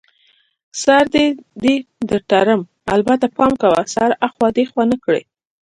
سر دې در تړم، البته پام کوه چي سر اخوا دیخوا نه کړې.